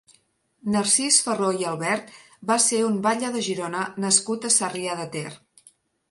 Narcís Farró i Albert va ser un batlle de Girona nascut a Sarrià de Ter.